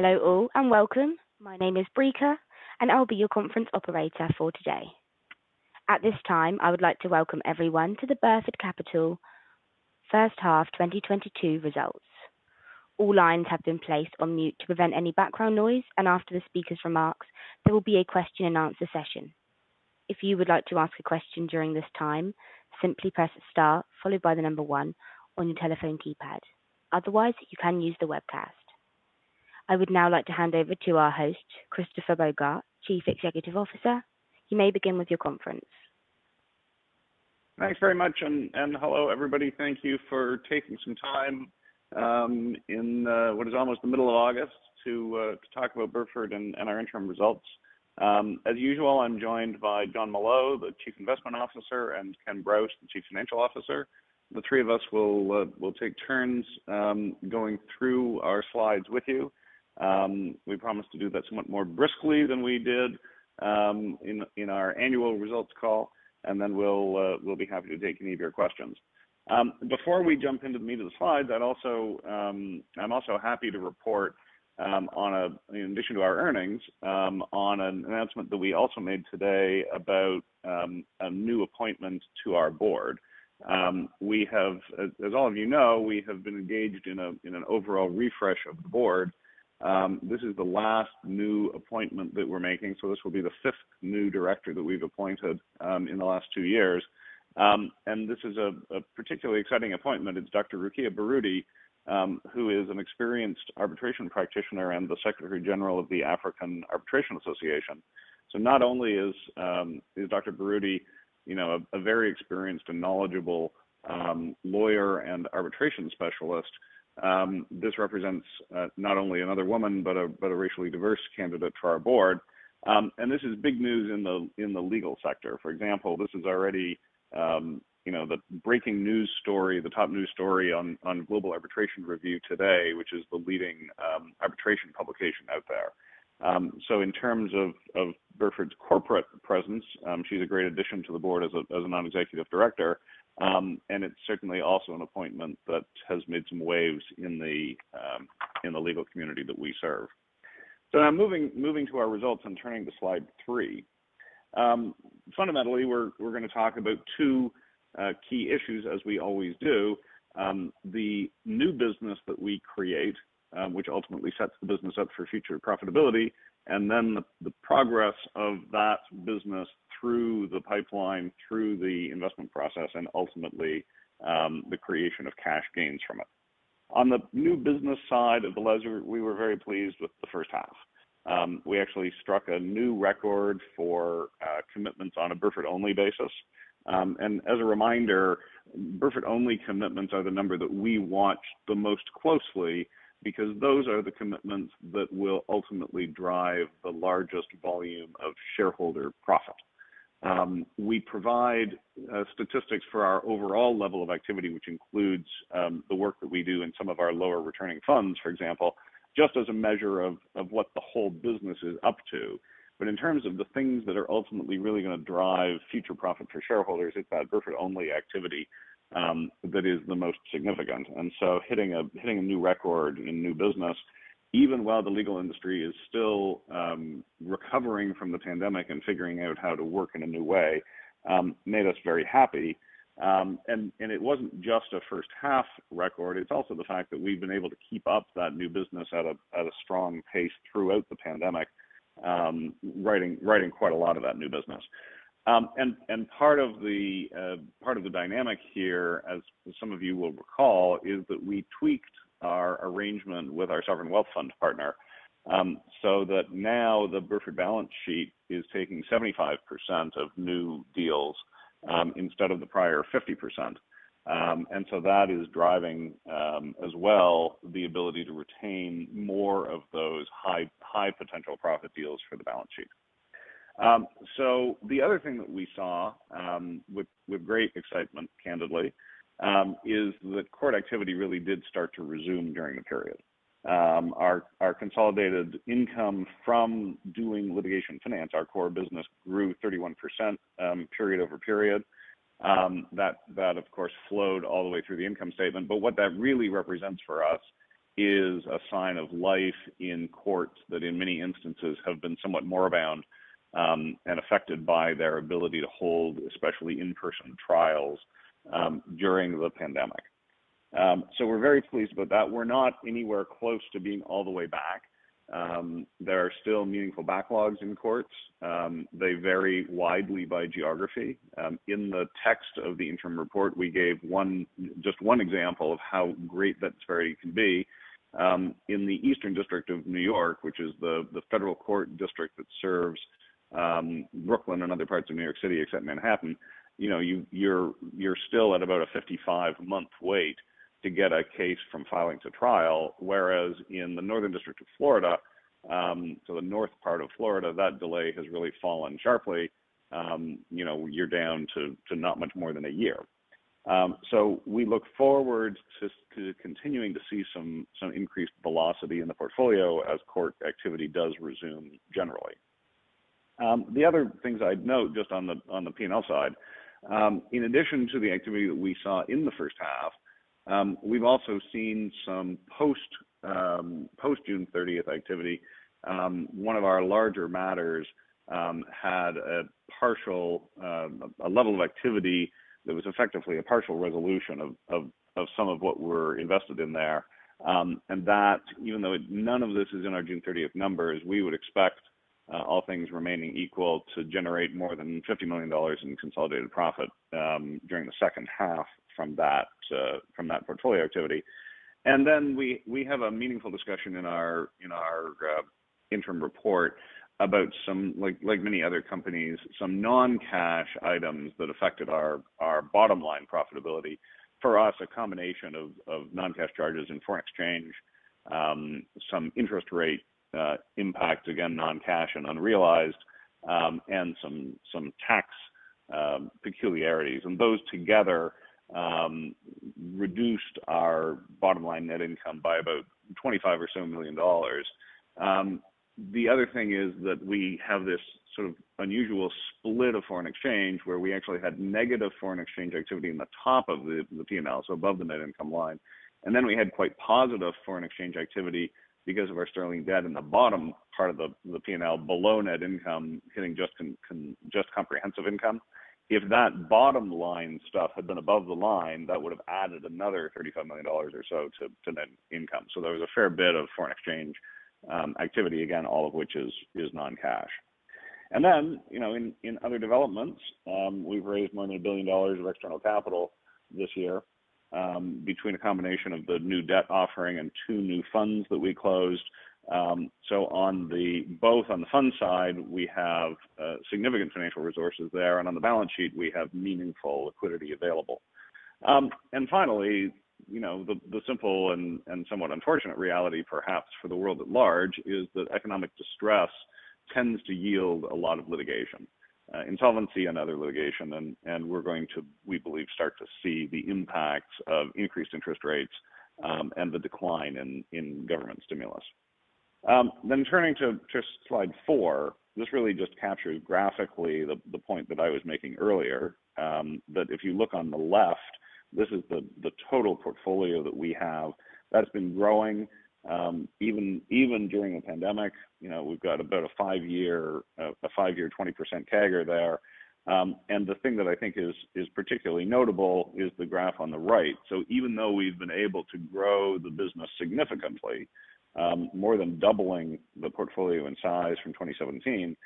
Hello all, and welcome. My name is Brika, and I'll be your conference operator for today. At this time, I would like to welcome everyone to the Burford Capital First Half 2022 results. All lines have been placed on mute to prevent any background noise, and after the speaker's remarks, there will be a question-and-answer session. If you would like to ask a question during this time, simply press star followed by the number one on your telephone keypad. Otherwise, you can use the webcast. I would now like to hand over to our host, Christopher Bogart, Chief Executive Officer. You may begin with your conference. Thanks very much and hello everybody. Thank you for taking some time in what is almost the middle of August to talk about Burford and our interim results. As usual, I'm joined by Jon Molot, the Chief Investment Officer, and Ken Brause, the Chief Financial Officer. The three of us will take turns going through our slides with you. We promise to do that somewhat more briskly than we did in our annual results call, and then we'll be happy to take any of your questions. Before we jump into the meat of the slides, I'm also happy to report, in addition to our earnings, on an announcement that we also made today about a new appointment to our board. We have, as all of you know, been engaged in an overall refresh of the board. This is the last new appointment that we're making, so this will be the fifth new director that we've appointed in the last two years. This is a particularly exciting appointment. It's Dr. Rukia Baruti, who is an experienced arbitration practitioner and the Secretary General of the African Arbitration Association. Not only is Dr. Baruti, you know, a very experienced and knowledgeable lawyer and arbitration specialist, this represents not only another woman, but a racially diverse candidate for our board. This is big news in the legal sector. For example, this is already, you know, the breaking news story, the top news story on Global Arbitration Review today, which is the leading arbitration publication out there. In terms of Burford's corporate presence, she's a great addition to the board as a non-executive director. It's certainly also an appointment that has made some waves in the legal community that we serve. Now moving to our results and turning to slide three. Fundamentally, we're gonna talk about two key issues as we always do. The new business that we create, which ultimately sets the business up for future profitability, and then the progress of that business through the pipeline, through the investment process, and ultimately, the creation of cash gains from it. On the new business side of the ledger, we were very pleased with the first half. We actually struck a new record for commitments on a Burford-only basis. As a reminder, Burford-only commitments are the number that we watch the most closely because those are the commitments that will ultimately drive the largest volume of shareholder profit. We provide statistics for our overall level of activity, which includes the work that we do in some of our lower returning funds, for example, just as a measure of what the whole business is up to. In terms of the things that are ultimately really gonna drive future profit for shareholders, it's that Burford-only activity that is the most significant. Hitting a new record in new business, even while the legal industry is still recovering from the pandemic and figuring out how to work in a new way, made us very happy. It wasn't just a first half record, it's also the fact that we've been able to keep up that new business at a strong pace throughout the pandemic, writing quite a lot of that new business. Part of the dynamic here, as some of you will recall, is that we tweaked our arrangement with our sovereign wealth fund partner, so that now the Burford balance sheet is taking 75% of new deals, instead of the prior 50%. That is driving as well the ability to retain more of those high potential profit deals for the balance sheet. The other thing that we saw with great excitement, candidly, is that court activity really did start to resume during the period. Our consolidated income from doing litigation finance, our core business, grew 31%, period over period. That of course flowed all the way through the income statement. What that really represents for us is a sign of life in courts that in many instances have been somewhat moribound and affected by their ability to hold, especially in-person trials, during the pandemic. We're very pleased about that. We're not anywhere close to being all the way back. There are still meaningful backlogs in courts. They vary widely by geography. In the text of the interim report, we gave one, just one example of how great that disparity can be. In the Eastern District of New York, which is the Federal Court district that serves Brooklyn and other parts of New York City except Manhattan, you know, you're still at about a 55-month wait to get a case from filing to trial, whereas in the Northern District of Florida, so the north part of Florida, that delay has really fallen sharply. You know, you're down to not much more than a year. We look forward to continuing to see some increased velocity in the portfolio as court activity does resume generally. The other things I'd note just on the P&L side, in addition to the activity that we saw in the first half, we've also seen some post-June 30th activity. One of our larger matters had a partial a level of activity that was effectively a partial resolution of some of what we're invested in there. That, even though none of this is in our June 30th numbers, we would expect, all things remaining equal to generate more than $50 million in consolidated profit during the second half from that portfolio activity. We have a meaningful discussion in our interim report about some, like many other companies, some non-cash items that affected our bottom-line profitability. For us, a combination of non-cash charges and foreign exchange, some interest rate impacts, again, non-cash and unrealized, and some tax peculiarities. Those together reduced our bottom-line net income by about $25 million or so. The other thing is that we have this sort of unusual split of foreign exchange where we actually had negative foreign exchange activity in the top of the P&L, so above the net income line. We had quite positive foreign exchange activity because of our sterling debt in the bottom part of the P&L below net income hitting just comprehensive income. If that bottom line stuff had been above the line, that would have added another $35 million or so to net income. There was a fair bit of foreign exchange activity, again, all of which is non-cash. You know, in other developments, we've raised more than $1 billion of external capital this year, between a combination of the new debt offering and two new funds that we closed. Both on the fund side, we have significant financial resources there, and on the balance sheet, we have meaningful liquidity available. Finally, you know, the simple and somewhat unfortunate reality perhaps for the world at large is that economic distress tends to yield a lot of litigation, insolvency and other litigation. We're going to, we believe, start to see the impacts of increased interest rates and the decline in government stimulus. Turning to just slide four, this really just captures graphically the point that I was making earlier, that if you look on the left, this is the total portfolio that we have that's been growing, even during the pandemic. You know, we've got about a five-year 20% CAGR there. The thing that I think is particularly notable is the graph on the right. Even though we've been able to grow the business significantly, more than doubling the portfolio in size from 2017,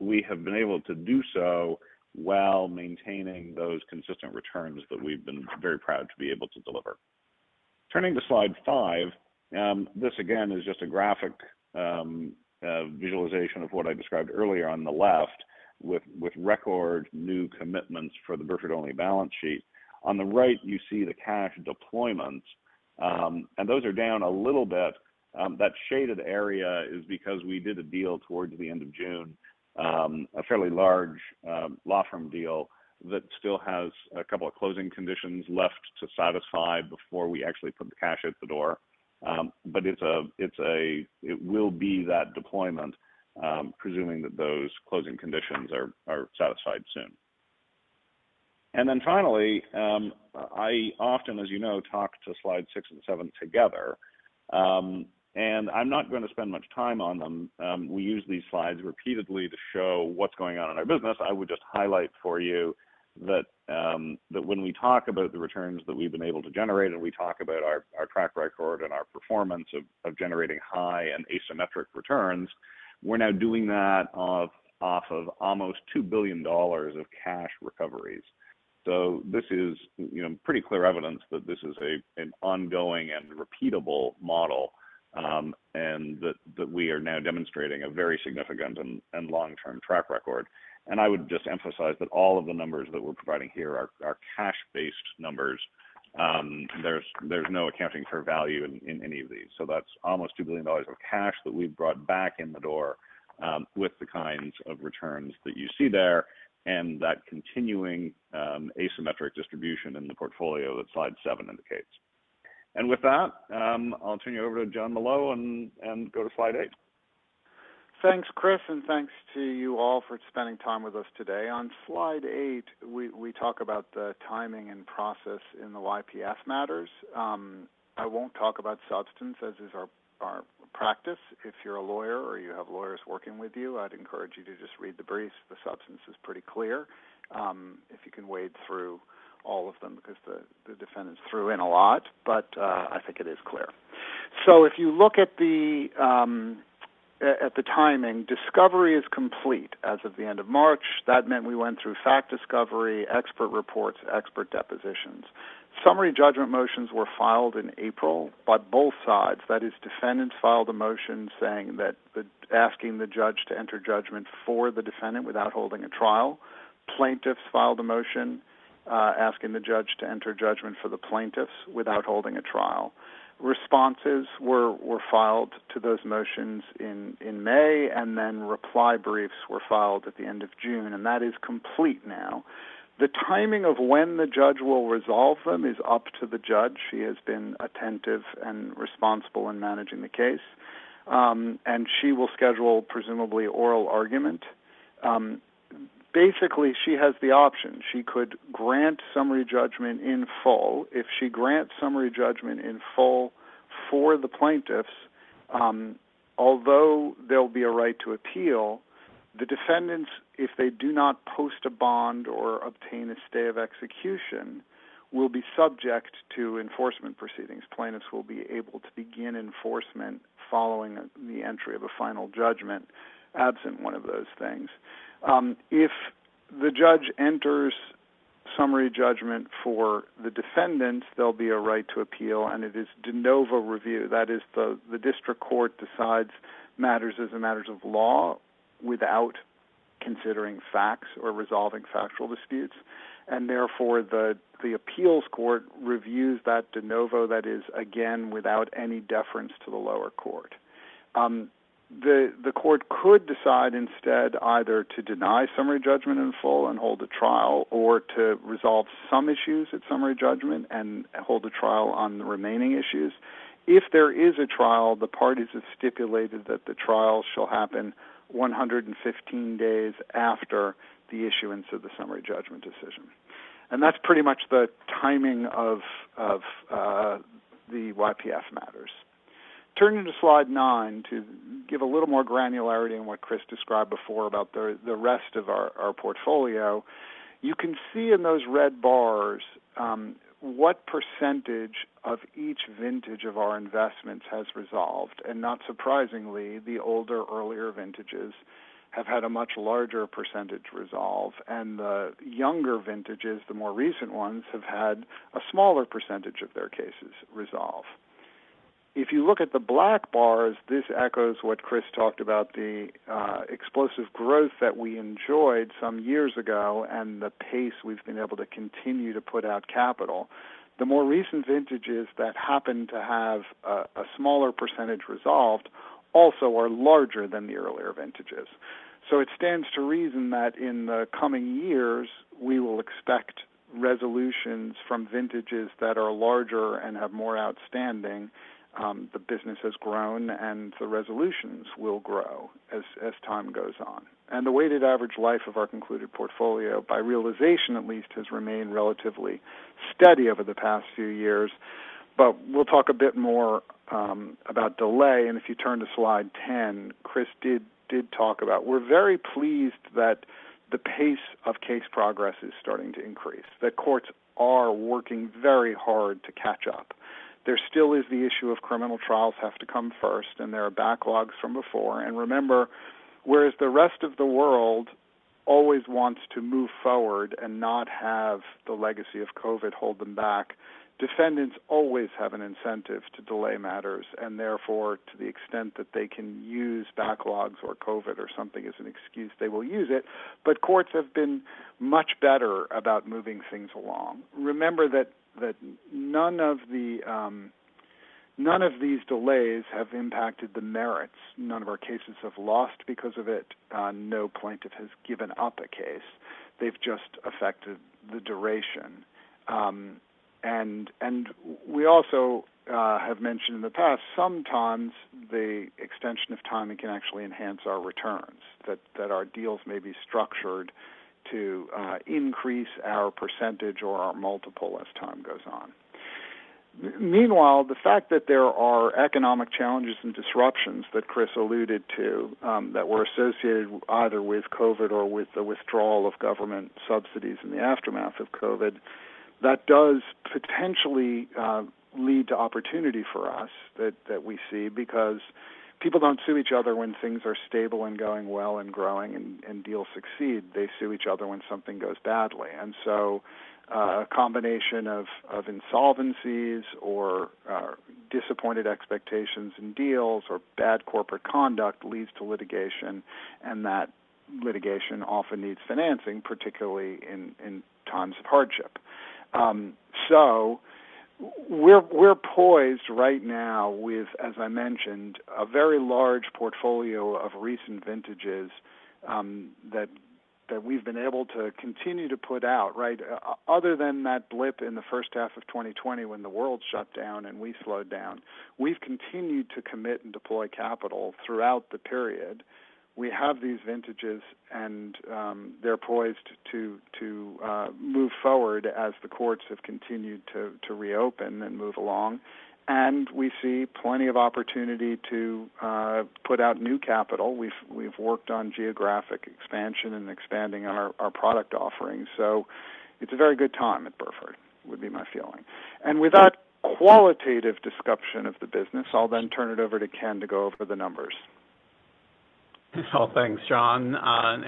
we have been able to do so while maintaining those consistent returns that we've been very proud to be able to deliver. Turning to slide five, this again is just a graphic, visualization of what I described earlier on the left with record new commitments for the Burford-only balance sheet. On the right, you see the cash deployments, and those are down a little bit. That shaded area is because we did a deal towards the end of June, a fairly large law firm deal that still has a couple of closing conditions left to satisfy before we actually put the cash out the door. But it will be that deployment, presuming that those closing conditions are satisfied soon. Finally, I often, as you know, talk to slide six and seven together, and I'm not going to spend much time on them. We use these slides repeatedly to show what's going on in our business. I would just highlight for you that when we talk about the returns that we've been able to generate, and we talk about our track record and our performance of generating high and asymmetric returns, we're now doing that off of almost $2 billion of cash recoveries. This is, you know, pretty clear evidence that this is an ongoing and repeatable model, and that we are now demonstrating a very significant and long-term track record. I would just emphasize that all of the numbers that we're providing here are cash-based numbers. There's no accounting for value in any of these. That's almost $2 billion of cash that we've brought back in the door, with the kinds of returns that you see there and that continuing asymmetric distribution in the portfolio that slide seven indicates. With that, I'll turn you over to Jon Molot and go to slide eight. Thanks, Chris, and thanks to you all for spending time with us today. On slide eight, we talk about the timing and process in the YPF matters. I won't talk about substance, as is our practice. If you're a lawyer or you have lawyers working with you, I'd encourage you to just read the briefs. The substance is pretty clear, if you can wade through all of them because the defendants threw in a lot, but I think it is clear. If you look at the timing, discovery is complete as of the end of March. That meant we went through fact discovery, expert reports, expert depositions. Summary judgment motions were filed in April by both sides. That is, defendants filed a motion asking the judge to enter judgment for the defendant without holding a trial. Plaintiffs filed a motion asking the judge to enter judgment for the plaintiffs without holding a trial. Responses were filed to those motions in May, and then reply briefs were filed at the end of June, and that is complete now. The timing of when the judge will resolve them is up to the judge. She has been attentive and responsible in managing the case, and she will schedule presumably oral argument. Basically, she has the option. She could grant summary judgment in full. If she grants summary judgment in full for the plaintiffs, although there'll be a right to appeal, the defendants, if they do not post a bond or obtain a stay of execution, will be subject to enforcement proceedings. Plaintiffs will be able to begin enforcement following the entry of a final judgment absent one of those things. If the judge enters summary judgment for the defendants, there'll be a right to appeal, and it is de novo review. That is the district court decides matters as a matter of law without considering facts or resolving factual disputes. Therefore, the appeals court reviews that de novo, that is, again, without any deference to the lower court. The court could decide instead either to deny summary judgment in full and hold a trial or to resolve some issues at summary judgment and hold a trial on the remaining issues. If there is a trial, the parties have stipulated that the trial shall happen 115 days after the issuance of the summary judgment decision. That's pretty much the timing of the YPF matters. Turning to slide nine to give a little more granularity in what Chris described before about the rest of our portfolio. You can see in those red bars what percentage of each vintage of our investments has resolved. Not surprisingly, the older, earlier vintages have had a much larger percentage resolve, and the younger vintages, the more recent ones, have had a smaller percentage of their cases resolve. If you look at the black bars, this echoes what Chris talked about, the explosive growth that we enjoyed some years ago and the pace we've been able to continue to put out capital. The more recent vintages that happen to have a smaller percentage resolved also are larger than the earlier vintages. It stands to reason that in the coming years, we will expect resolutions from vintages that are larger and have more outstanding. The business has grown, and the resolutions will grow as time goes on. The weighted average life of our concluded portfolio, by realization at least, has remained relatively steady over the past few years. We'll talk a bit more about delay. If you turn to slide 10, Chris did talk about we're very pleased that the pace of case progress is starting to increase, that courts are working very hard to catch up. There still is the issue of criminal trials have to come first, and there are backlogs from before. Remember, whereas the rest of the world always wants to move forward and not have the legacy of COVID hold them back, defendants always have an incentive to delay matters, and therefore, to the extent that they can use backlogs or COVID or something as an excuse, they will use it. Courts have been much better about moving things along. Remember that none of these delays have impacted the merits. None of our cases have lost because of it. No plaintiff has given up a case. They've just affected the duration. We also have mentioned in the past, sometimes the extension of timing can actually enhance our returns, that our deals may be structured to increase our percentage or our multiple as time goes on. Meanwhile, the fact that there are economic challenges and disruptions that Chris alluded to, that were associated either with COVID or with the withdrawal of government subsidies in the aftermath of COVID, that does potentially lead to opportunity for us that we see because people don't sue each other when things are stable and going well and growing and deals succeed. They sue each other when something goes badly. A combination of insolvencies or disappointed expectations in deals or bad corporate conduct leads to litigation, and that litigation often needs financing, particularly in times of hardship. We're poised right now with, as I mentioned, a very large portfolio of recent vintages, that we've been able to continue to put out, right? Other than that blip in the first half of 2020 when the world shut down and we slowed down, we've continued to commit and deploy capital throughout the period. We have these vintages and they're poised to move forward as the courts have continued to reopen and move along. We see plenty of opportunity to put out new capital. We've worked on geographic expansion and expanding on our product offerings. It's a very good time at Burford, would be my feeling. With that qualitative discussion of the business, I'll then turn it over to Ken to go over the numbers. Well, thanks, Jon.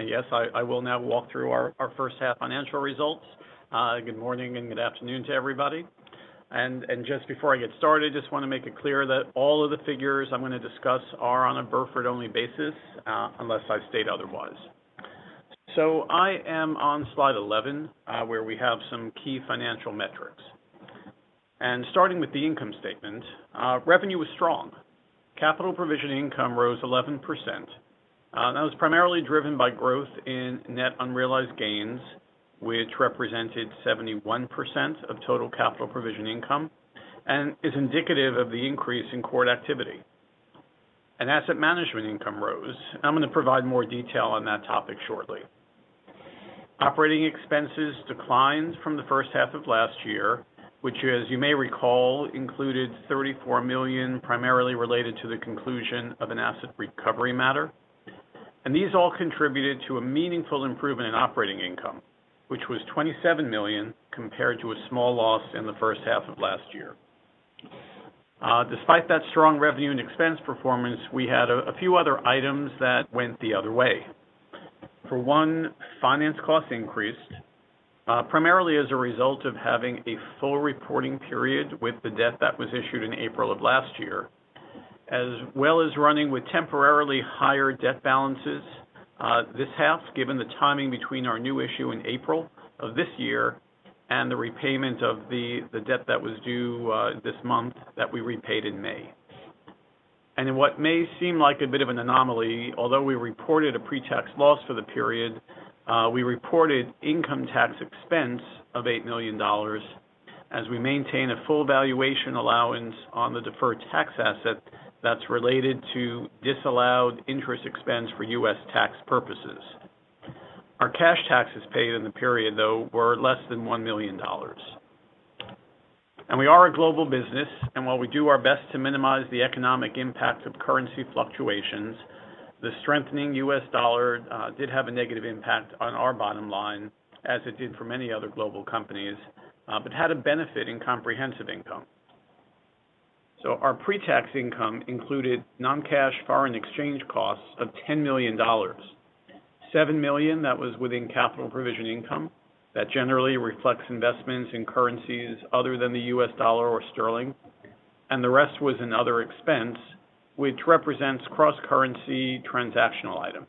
Yes, I will now walk through our first half financial results. Good morning and good afternoon to everybody. Just before I get started, just wanna make it clear that all of the figures I'm gonna discuss are on a Burford-only basis, unless I state otherwise. I am on slide 11, where we have some key financial metrics. Starting with the income statement, revenue was strong. Capital provision income rose 11%. That was primarily driven by growth in net unrealized gains, which represented 71% of total capital provision income, and is indicative of the increase in court activity. Asset management income rose. I'm gonna provide more detail on that topic shortly. Operating expenses declined from the first half of last year, which, as you may recall, included $34 million, primarily related to the conclusion of an asset recovery matter. These all contributed to a meaningful improvement in operating income, which was $27 million compared to a small loss in the first half of last year. Despite that strong revenue and expense performance, we had a few other items that went the other way. For one, finance costs increased, primarily as a result of having a full reporting period with the debt that was issued in April of last year, as well as running with temporarily higher debt balances, this half, given the timing between our new issue in April of this year and the repayment of the debt that was due, this month that we repaid in May. In what may seem like a bit of an anomaly, although we reported a pre-tax loss for the period, we reported income tax expense of $8 million as we maintain a full valuation allowance on the deferred tax asset that's related to disallowed interest expense for U.S. tax purposes. Our cash taxes paid in the period, though, were less than $1 million. We are a global business, and while we do our best to minimize the economic impact of currency fluctuations, the strengthening U.S. dollar did have a negative impact on our bottom line as it did for many other global companies but had a benefit in comprehensive income. Our pre-tax income included non-cash foreign exchange costs of $10 million. $7 million that was within capital provision income. That generally reflects investments in currencies other than the U.S. dollar or sterling. The rest was another expense which represents cross-currency transactional items.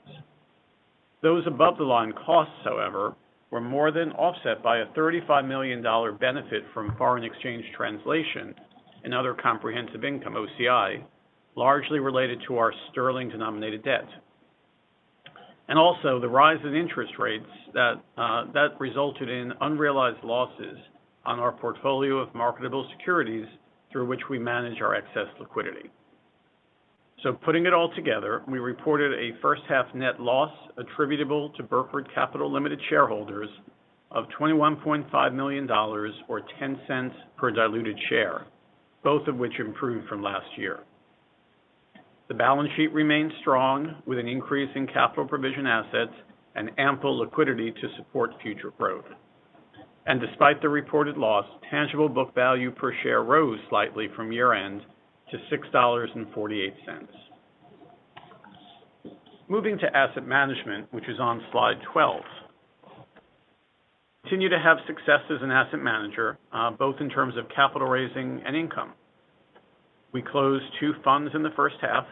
Those above-the-line costs, however, were more than offset by a $35 million benefit from foreign exchange translation and other comprehensive income, OCI, largely related to our sterling-denominated debt. The rise in interest rates that resulted in unrealized losses on our portfolio of marketable securities through which we manage our excess liquidity. Putting it all together, we reported a first half net loss attributable to Burford Capital Limited shareholders of $21.5 million or $0.10 per diluted share, both of which improved from last year. The balance sheet remained strong with an increase in capital provision assets and ample liquidity to support future growth. Despite the reported loss, tangible book value per share rose slightly from year-end to $6.48. Moving to asset management, which is on slide 12. Continue to have success as an asset manager, both in terms of capital raising and income. We closed two funds in the first half,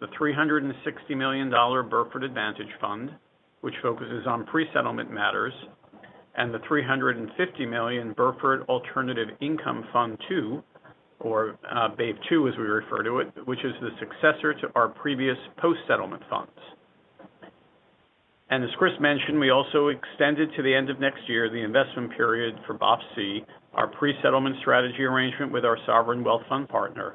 the $360 million Burford Advantage Fund, which focuses on pre-settlement matters, and the $350 million Burford Alternative Income Fund II, or BAIF II, as we refer to it, which is the successor to our previous post-settlement funds. As Chris mentioned, we also extended to the end of next year the investment period for BOF C, our pre-settlement strategy arrangement with our sovereign wealth fund partner.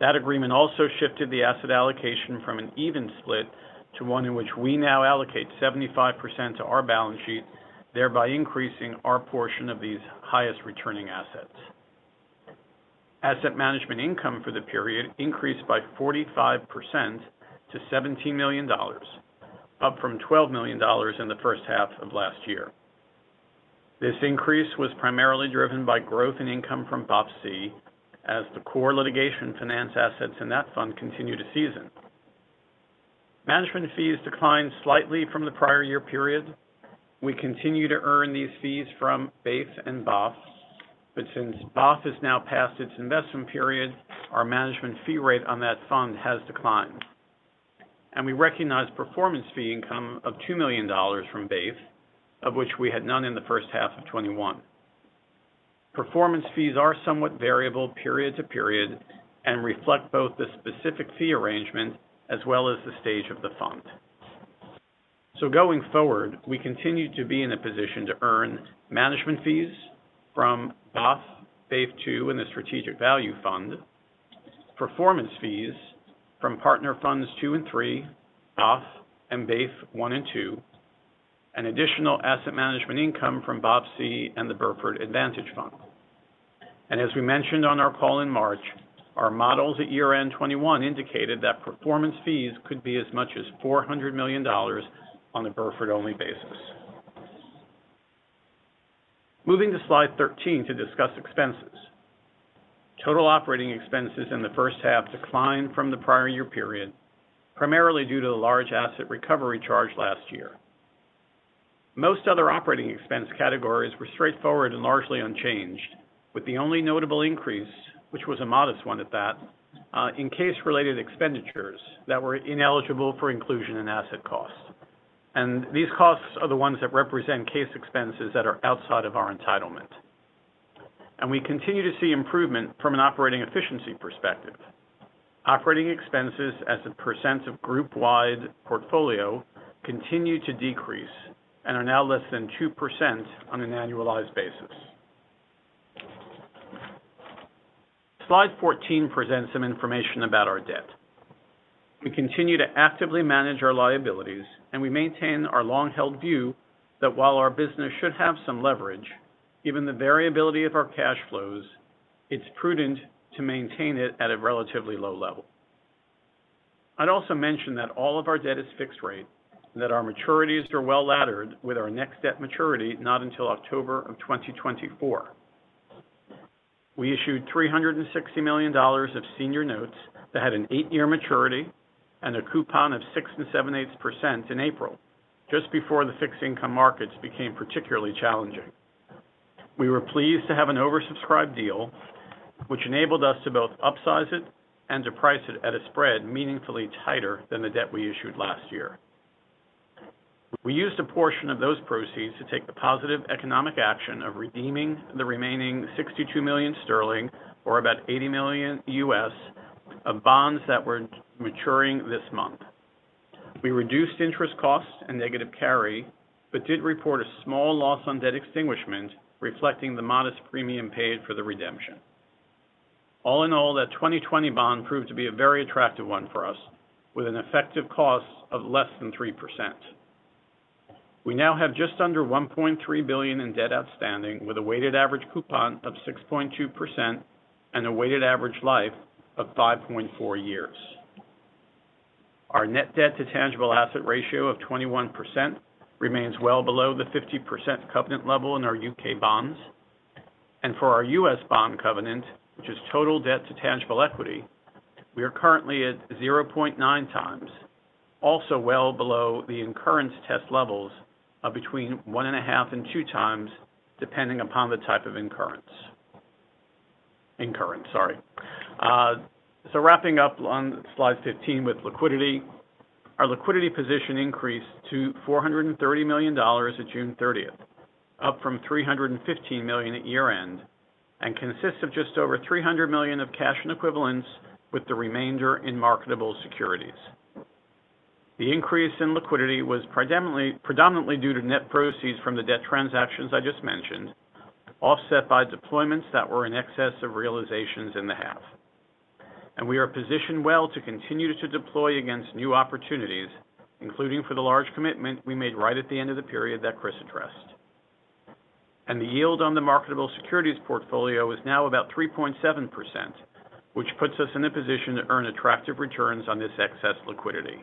That agreement also shifted the asset allocation from an even split to one in which we now allocate 75% to our balance sheet, thereby increasing our portion of these highest returning assets. Asset management income for the period increased by 45% to $17 million, up from $12 million in the first half of last year. This increase was primarily driven by growth in income from BOF C as the core litigation finance assets in that fund continue to season. Management fees declined slightly from the prior year period. We continue to earn these fees from BAIF and BOF, but since BOF is now past its investment period, our management fee rate on that fund has declined. We recognize performance fee income of $2 million from BAIF, of which we had none in the first half of 2021. Performance fees are somewhat variable period to period and reflect both the specific fee arrangement as well as the stage of the fund. Going forward, we continue to be in a position to earn management fees from BOF, BAIF II, and the Strategic Value Fund, performance fees from Partner Funds II and III, BOF, and BAIF I and II, and additional asset management income from BOF C and the Burford Advantage Fund. As we mentioned on our call in March, our models at year-end 2021 indicated that performance fees could be as much as $400 million on a Burford-only basis. Moving to slide 13 to discuss expenses. Total operating expenses in the first half declined from the prior year period, primarily due to the large asset recovery charge last year. Most other operating expense categories were straightforward and largely unchanged, with the only notable increase, which was a modest one at that, in case-related expenditures that were ineligible for inclusion in asset costs. These costs are the ones that represent case expenses that are outside of our entitlement. We continue to see improvement from an operating efficiency perspective. Operating expenses as a percent of group-wide portfolio continue to decrease and are now less than 2% on an annualized basis. Slide 14 presents some information about our debt. We continue to actively manage our liabilities, and we maintain our long-held view that while our business should have some leverage, given the variability of our cash flows, it's prudent to maintain it at a relatively low level. I'd also mention that all of our debt is fixed rate and that our maturities are well-laddered with our next debt maturity not until October 2024. We issued $360 million of senior notes that had an eight-year maturity and a coupon of 6 7/8% in April, just before the fixed income markets became particularly challenging. We were pleased to have an oversubscribed deal, which enabled us to both upsize it and to price it at a spread meaningfully tighter than the debt we issued last year. We used a portion of those proceeds to take the positive economic action of redeeming the remaining 62 million sterling, or about $80 million, of bonds that were maturing this month. We reduced interest costs and negative carry, but did report a small loss on debt extinguishment, reflecting the modest premium paid for the redemption. All in all, that 2020 bond proved to be a very attractive one for us, with an effective cost of less than 3%. We now have just under $1.3 billion in debt outstanding, with a weighted average coupon of 6.2% and a weighted average life of 5.4 years. Our net debt to tangible asset ratio of 21% remains well below the 50% covenant level in our U.K. bonds. For our U.S. bond covenant, which is total debt to tangible equity, we are currently at 0.9x, also well below the incurrence test levels of between 1.5 and 2x, depending upon the type of incurrence. Wrapping up on slide 15 with liquidity. Our liquidity position increased to $430 million at June 30th, up from $315 million at year-end, and consists of just over $300 million of cash and equivalents with the remainder in marketable securities. The increase in liquidity was predominantly due to net proceeds from the debt transactions I just mentioned, offset by deployments that were in excess of realizations in the half. We are positioned well to continue to deploy against new opportunities, including for the large commitment we made right at the end of the period that Chris addressed. The yield on the marketable securities portfolio is now about 3.7%, which puts us in a position to earn attractive returns on this excess liquidity.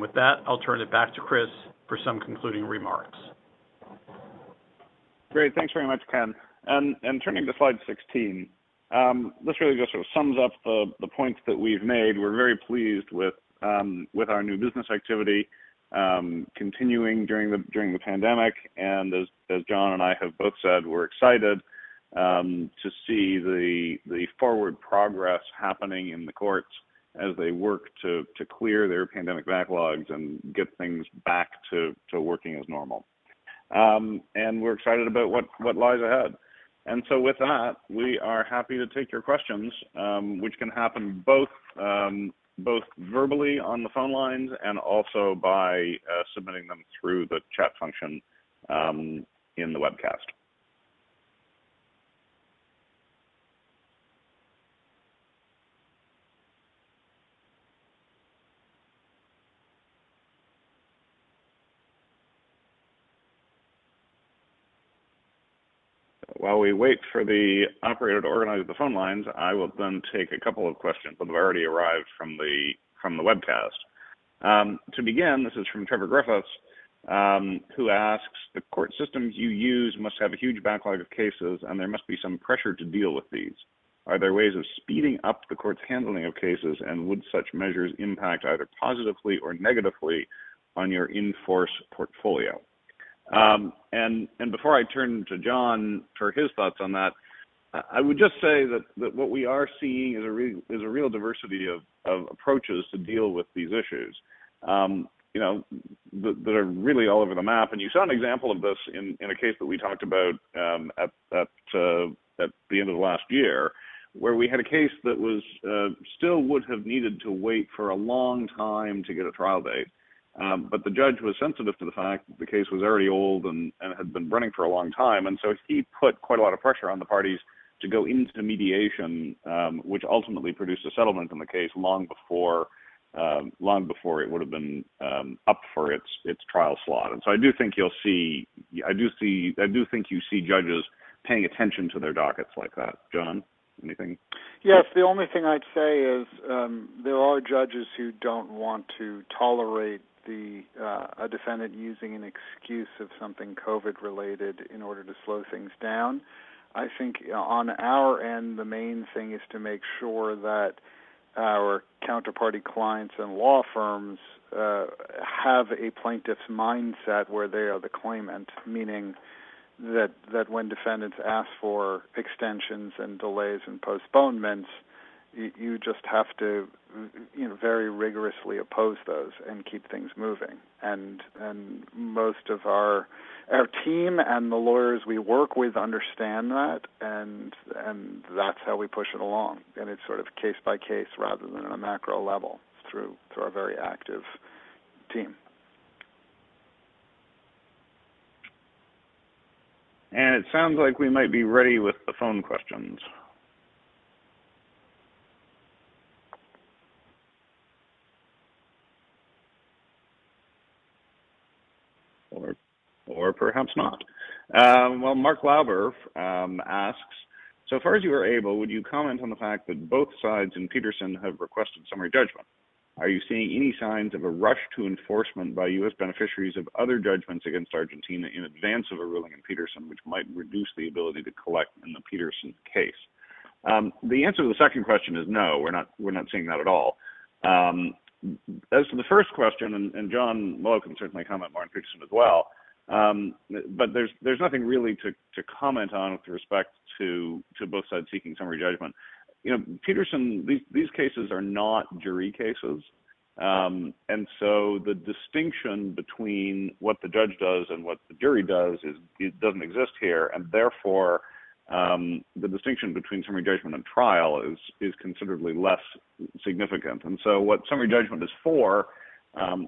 With that, I'll turn it back to Chris for some concluding remarks. Great. Thanks very much, Ken. Turning to slide 16, this really just sort of sums up the points that we've made. We're very pleased with our new business activity continuing during the pandemic. As Jon and I have both said, we're excited to see the forward progress happening in the courts as they work to clear their pandemic backlogs and get things back to working as normal. We're excited about what lies ahead. With that, we are happy to take your questions, which can happen both verbally on the phone lines and also by submitting them through the chat function in the webcast. While we wait for the operator to organize the phone lines, I will then take a couple of questions that have already arrived from the webcast. To begin, this is from Trevor Griffiths, who asks, "The court systems you use must have a huge backlog of cases, and there must be some pressure to deal with these. Are there ways of speeding up the court's handling of cases, and would such measures impact either positively or negatively on your in-force portfolio?" Before I turn to Jon Molot for his thoughts on that, I would just say that what we are seeing is a real diversity of approaches to deal with these issues, you know, that are really all over the map. You saw an example of this in a case that we talked about at the end of last year, where we had a case that still would have needed to wait for a long time to get a trial date. The judge was sensitive to the fact that the case was already old and had been running for a long time. He put quite a lot of pressure on the parties to go into the mediation, which ultimately produced a settlement on the case long before it would've been up for its trial slot. I do think you see judges paying attention to their dockets like that. Jon, anything? Yes. The only thing I'd say is, there are judges who don't want to tolerate the a defendant using an excuse of something COVID-related in order to slow things down. I think, on our end, the main thing is to make sure that our counterparty clients and law firms have a plaintiff's mindset where they are the claimant, meaning that when defendants ask for extensions and delays and postponements. You just have to, you know, very rigorously oppose those and keep things moving. Most of our team and the lawyers we work with understand that, and that's how we push it along. It's sort of case by case rather than on a macro level through our very active team. It sounds like we might be ready with the phone questions. Perhaps not. Mark Lauber asks, "So far as you are able, would you comment on the fact that both sides in Petersen have requested summary judgment? Are you seeing any signs of a rush to enforcement by U.S. beneficiaries of other judgments against Argentina in advance of a ruling in Petersen, which might reduce the ability to collect in the Petersen case?" The answer to the second question is no, we're not seeing that at all. As to the first question, and Jon Molot can certainly comment on Petersen as well, but there's nothing really to comment on with respect to both sides seeking summary judgment. You know, Petersen, these cases are not jury cases. The distinction between what the judge does and what the jury does is. It doesn't exist here. The distinction between summary judgment and trial is considerably less significant. What summary judgment is for,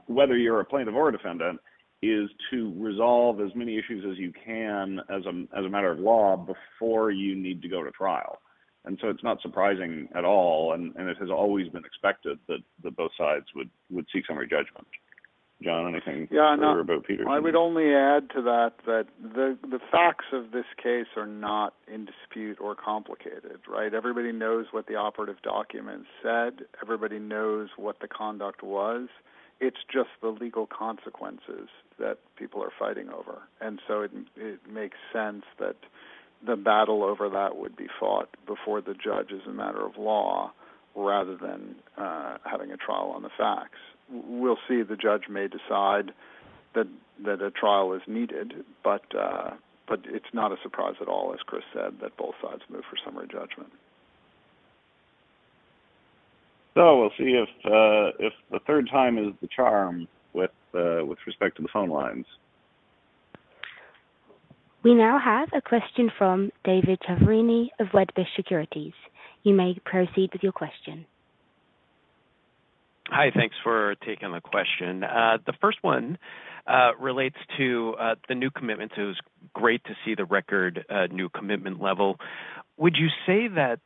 whether you're a plaintiff or a defendant, is to resolve as many issues as you can as a matter of law before you need to go to trial. It's not surprising at all, and it has always been expected that both sides would seek summary judgment. Jon, anything further about Petersen? Yeah, no. I would only add to that the facts of this case are not in dispute or complicated, right? Everybody knows what the operative document said. Everybody knows what the conduct was. It's just the legal consequences that people are fighting over. And so it makes sense that the battle over that would be fought before the judge as a matter of law rather than having a trial on the facts. We'll see, the judge may decide that a trial is needed, but it's not a surprise at all, as Chris said, that both sides move for summary judgment. We'll see if the third time is the charm with respect to the phone lines. We now have a question from David Chiaverini of Wedbush Securities. You may proceed with your question. Hi. Thanks for taking the question. The first one relates to the new commitments. It was great to see the record new commitment level. Would you say that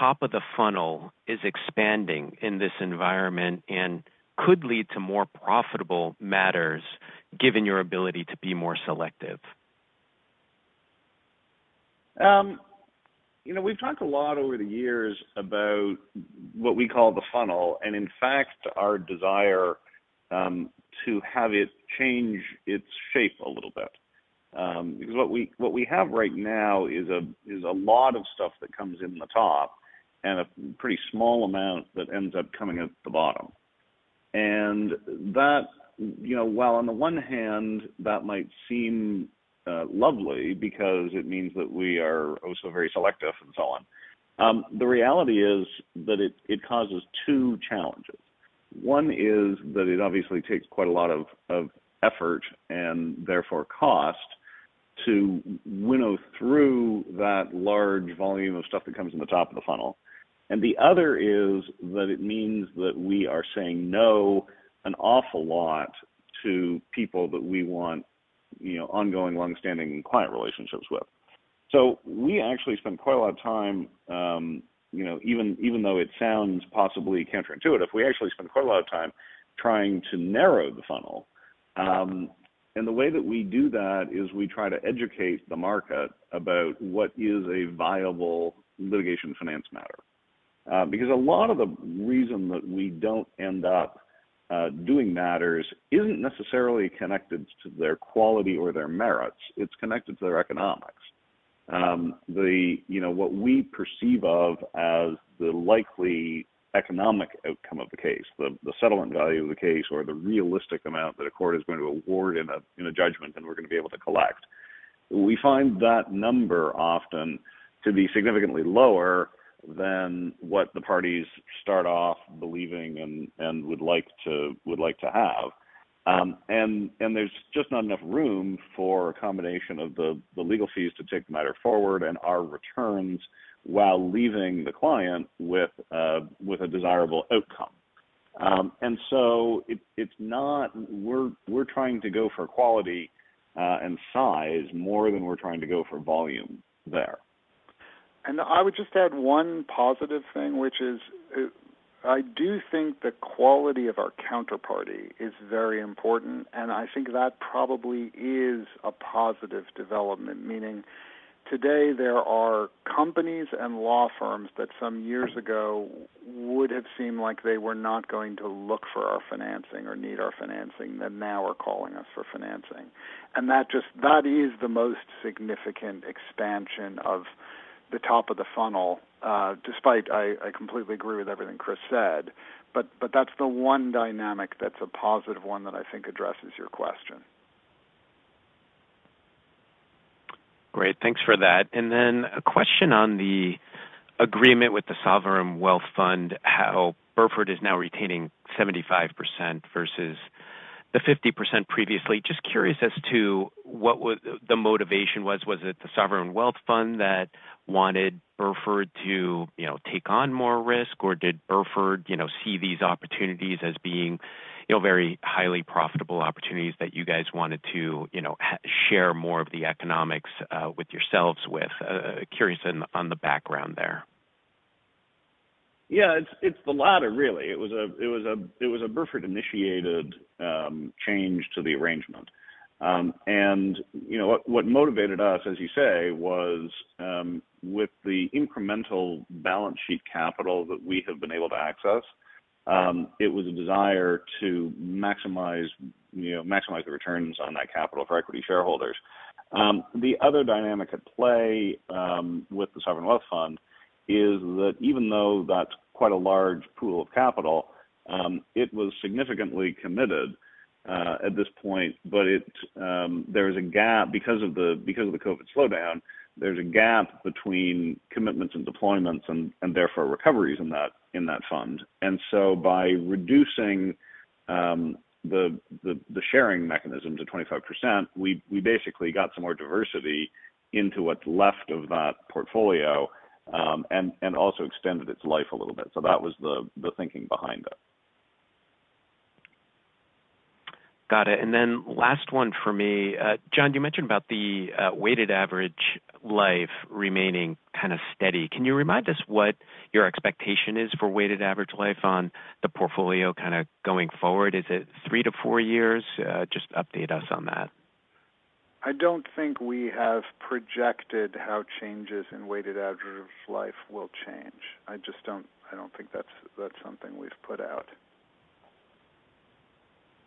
the top of the funnel is expanding in this environment and could lead to more profitable matters given your ability to be more selective? You know, we've talked a lot over the years about what we call the funnel and in fact, our desire to have it change its shape a little bit. Because what we have right now is a lot of stuff that comes in the top and a pretty small amount that ends up coming out the bottom. That, you know, while on the one hand that might seem lovely because it means that we are also very selective and so on, the reality is that it causes two challenges. One is that it obviously takes quite a lot of effort, and therefore cost, to winnow through that large volume of stuff that comes in the top of the funnel. The other is that it means that we are saying no an awful lot to people that we want, you know, ongoing, long-standing client relationships with. We actually spend quite a lot of time, you know, even though it sounds possibly counterintuitive, we actually spend quite a lot of time trying to narrow the funnel. The way that we do that is we try to educate the market about what is a viable litigation finance matter. Because a lot of the reason that we don't end up doing matters isn't necessarily connected to their quality or their merits, it's connected to their economics. you know, what we perceive of as the likely economic outcome of the case, the settlement value of the case or the realistic amount that a court is going to award in a judgment, and we're gonna be able to collect, we find that number often to be significantly lower than what the parties start off believing and would like to have. There's just not enough room for a combination of the legal fees to take the matter forward and our returns while leaving the client with a desirable outcome. We're trying to go for quality and size more than we're trying to go for volume there. I would just add one positive thing, which is I do think the quality of our counterparty is very important, and I think that probably is a positive development. Meaning today there are companies and law firms that some years ago would have seemed like they were not going to look for our financing or need our financing, that now are calling us for financing. That is the most significant expansion of the top of the funnel, despite I completely agree with everything Chris said, but that's the one dynamic that's a positive one that I think addresses your question. Great. Thanks for that. Then a question on the agreement with the Sovereign Wealth Fund, how Burford is now retaining 75% versus the 50% previously. Just curious as to what the motivation was. Was it the Sovereign Wealth Fund that wanted Burford to, you know, take on more risk? Or did Burford, you know, see these opportunities as being, you know, very highly profitable opportunities that you guys wanted to, you know, share more of the economics with yourselves? Curious on the background there. Yeah, it's the latter, really. It was a Burford-initiated change to the arrangement. You know, what motivated us, as you say, was with the incremental balance sheet capital that we have been able to access, it was a desire to maximize, you know, maximize the returns on that capital for equity shareholders. The other dynamic at play with the Sovereign Wealth Fund is that even though that's quite a large pool of capital, it was significantly committed at this point. There's a gap because of the COVID slowdown, there's a gap between commitments and deployments and therefore recoveries in that fund. By reducing the sharing mechanism to 25%, we basically got some more diversity into what's left of that portfolio and also extended its life a little bit. That was the thinking behind it. Got it. Last one for me. Jon, you mentioned about the weighted average life remaining kind of steady. Can you remind us what your expectation is for weighted average life on the portfolio kind of going forward? Is it three-four years? Just update us on that. I don't think we have projected how changes in weighted average life will change. I just don't think that's something we've put out.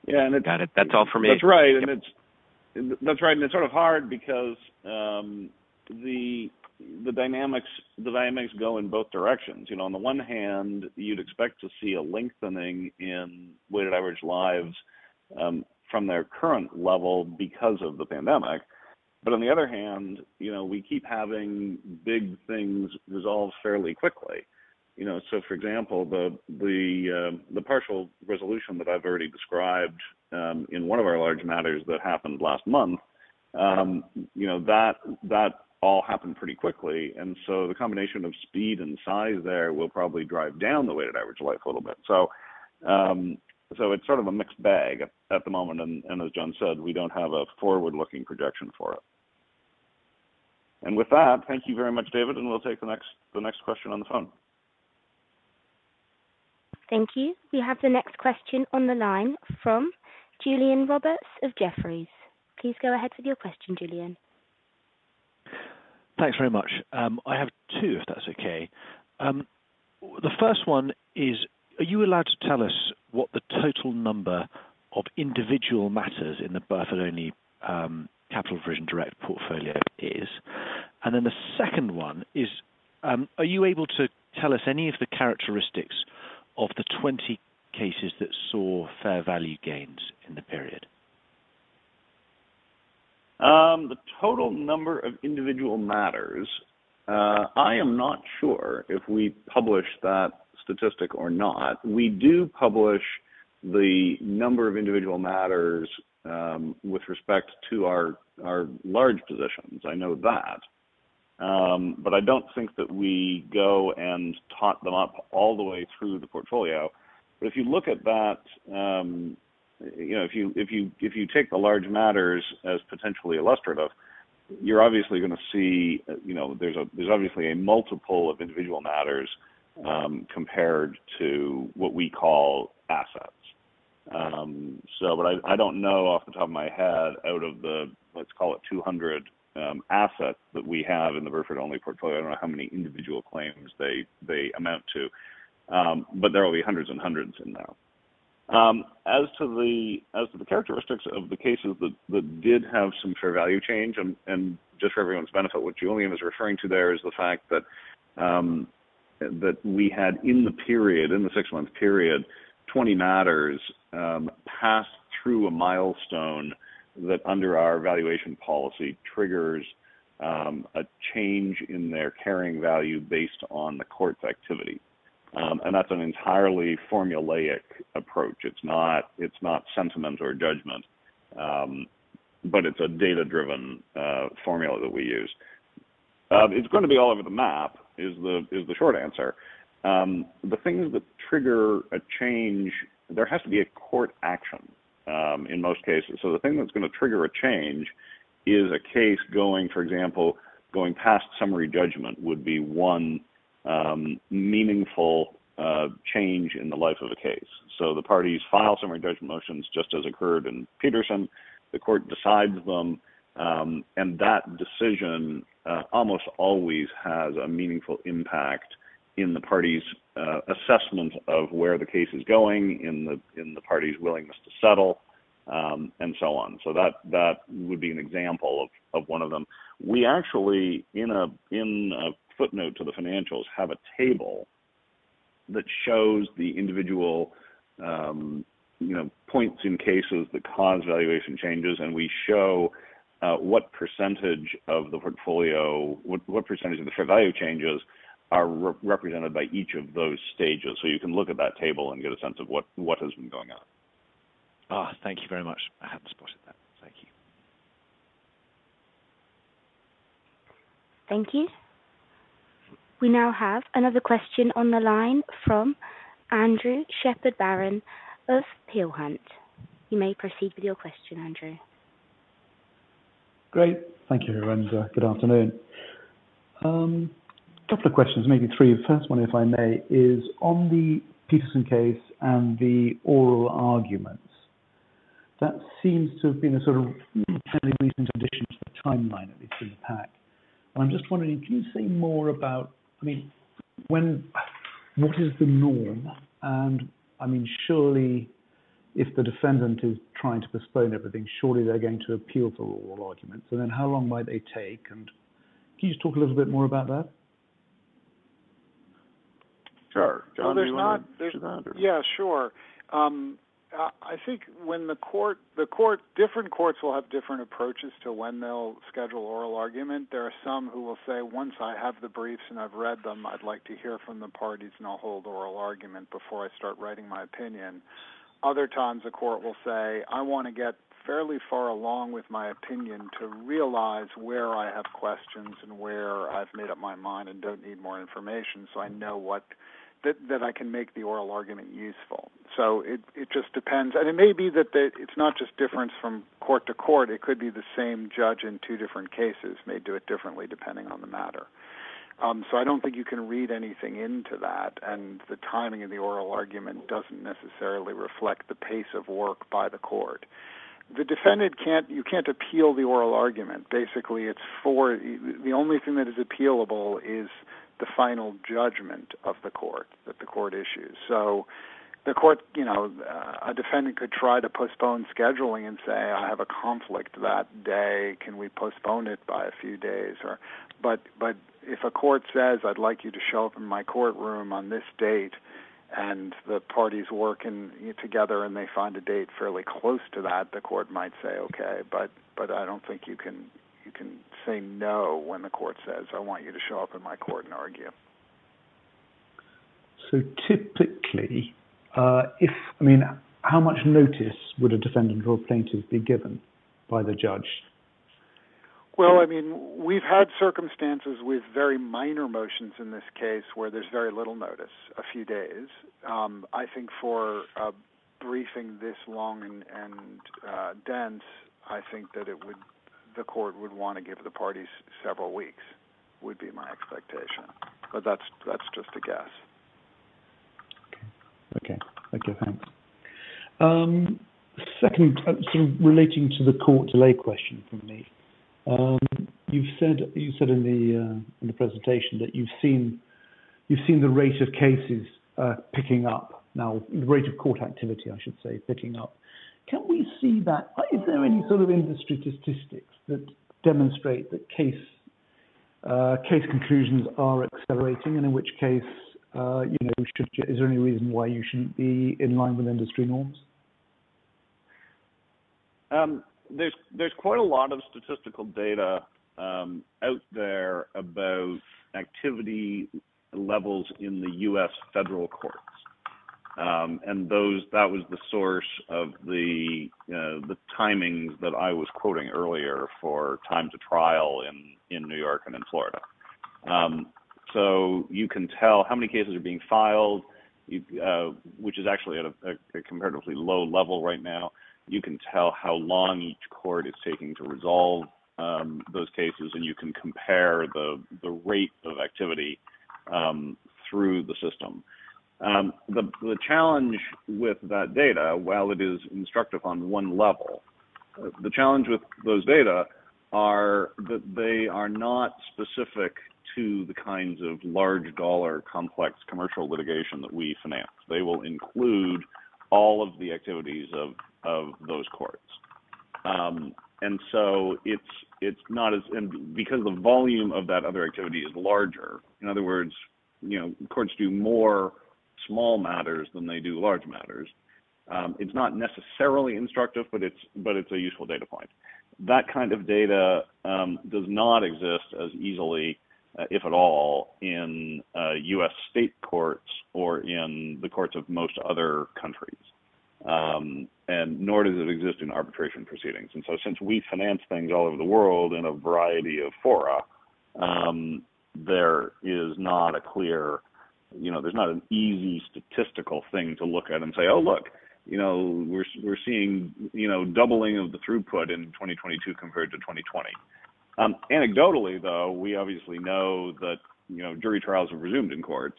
Yeah. Got it. That's all for me. That's right. It's sort of hard because the dynamics go in both directions. You know, on the one hand, you'd expect to see a lengthening in weighted average lives from their current level because of the pandemic. On the other hand, you know, we keep having big things resolve fairly quickly, you know. For example, the partial resolution that I've already described in one of our large matters that happened last month, you know, that all happened pretty quickly. The combination of speed and size there will probably drive down the weighted average life a little bit. It's sort of a mixed bag at the moment. As Jon said, we don't have a forward-looking projection for it. With that, thank you very much, David, and we'll take the next question on the phone. Thank you. We have the next question on the line from Julian Roberts of Jefferies. Please go ahead with your question, Julian. Thanks very much. I have two, if that's okay. The first one is, are you allowed to tell us what the total number of individual matters in the Burford-only capital version direct portfolio is? The second one is, are you able to tell us any of the characteristics of the 20 cases that saw fair value gains in the period? The total number of individual matters, I am not sure if we publish that statistic or not. We do publish the number of individual matters, with respect to our large positions. I know that. I don't think that we go and tot them up all the way through the portfolio. If you look at that, you know, if you take the large matters as potentially illustrative, you're obviously gonna see, you know, there's obviously a multiple of individual matters, compared to what we call assets. I don't know off the top of my head, out of the, let's call it 200, assets that we have in the Burford-only portfolio. I don't know how many individual claims they amount to. There will be hundreds and hundreds in there. As to the characteristics of the cases that did have some fair value change, and just for everyone's benefit, what Julian is referring to there is the fact that that we had in the period, in the six-month period, 20 matters pass through a milestone that under our valuation policy triggers a change in their carrying value based on the court's activity. That's an entirely formulaic approach. It's not sentiment or judgment, but it's a data-driven formula that we use. It's gonna be all over the map, is the short answer. The things that trigger a change, there has to be a court action in most cases. The thing that's gonna trigger a change is a case going, for example, past summary judgment would be one meaningful change in the life of a case. The parties file summary judgment motions, just as occurred in Petersen. The court decides them, and that decision almost always has a meaningful impact in the parties' assessment of where the case is going, in the parties' willingness to settle, and so on. That would be an example of one of them. We actually in a footnote to the financials have a table that shows the individual you know points in cases that cause valuation changes, and we show what percentage of the portfolio, what percentage of the fair value changes are represented by each of those stages. You can look at that table and get a sense of what has been going on. Thank you very much. I hadn't spotted that. Thank you. Thank you. We now have another question on the line from Andrew Shepherd-Barron of Peel Hunt. You may proceed with your question, Andrew. Great. Thank you, Lorenzo. Good afternoon. A couple of questions, maybe three. The first one, if I may, is on the Petersen case and the oral arguments. That seems to have been a sort of fairly recent addition to the timeline at least in the pack. I'm just wondering, can you say more about, I mean, what is the norm? I mean, surely if the defendant is trying to postpone everything, surely they're going to appeal to oral arguments. How long might they take? Can you just talk a little bit more about that? Sure. Jon, do you want to that or? Yeah, sure. I think different courts will have different approaches to when they'll schedule oral argument. There are some who will say, "Once I have the briefs and I've read them, I'd like to hear from the parties, and I'll hold oral argument before I start writing my opinion." Other times, the court will say, "I wanna get fairly far along with my opinion to realize where I have questions and where I've made up my mind and don't need more information so I know that I can make the oral argument useful." It just depends. It may be that it's not just difference from court to court. It could be the same judge in two different cases may do it differently depending on the matter. I don't think you can read anything into that, and the timing of the oral argument doesn't necessarily reflect the pace of work by the court. You can't appeal the oral argument. Basically, the only thing that is appealable is the final judgment of the court that the court issues. The court, you know, a defendant could try to postpone scheduling and say, "I have a conflict that day. Can we postpone it by a few days?" But if a court says, "I'd like you to show up in my courtroom on this date," and the parties work together, and they find a date fairly close to that. The court might say okay, but I don't think you can say no when the court says, "I want you to show up in my court and argue. Typically, I mean, how much notice would a defendant or a plaintiff be given by the judge? Well, I mean, we've had circumstances with very minor motions in this case where there's very little notice, a few days. I think for a briefing this long and dense, I think that the court would wanna give the parties several weeks, would be my expectation. That's just a guess. Okay. Thank you. Thanks. Second, sort of relating to the court delay question from me. You've said in the presentation that you've seen the rate of cases picking up now, the rate of court activity, I should say, picking up. Can we see that? Is there any sort of industry statistics that demonstrate that case conclusions are accelerating? In which case, you know, is there any reason why you shouldn't be in line with industry norms? There's quite a lot of statistical data out there about activity levels in the US federal courts. That was the source of the timings that I was quoting earlier for time to trial in New York and in Florida. You can tell how many cases are being filed, which is actually at a comparatively low level right now. You can tell how long each court is taking to resolve those cases, and you can compare the rate of activity through the system. The challenge with that data, while it is instructive on one level, is that they are not specific to the kinds of large dollar complex commercial litigation that we finance. They will include all of the activities of those courts. Because the volume of that other activity is larger, in other words, you know, courts do more small matters than they do large matters, it's not necessarily instructive, but it's a useful data point. That kind of data does not exist as easily, if at all, in U.S. state courts or in the courts of most other countries, nor does it exist in arbitration proceedings. Since we finance things all over the world in a variety of fora, there is not a clear, you know, there's not an easy statistical thing to look at and say, "Oh, look, you know, we're seeing, you know, doubling of the throughput in 2022 compared to 2020." Anecdotally, though, we obviously know that, you know, jury trials have resumed in courts,